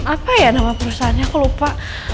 apa ya nama perusahaannya aku lupa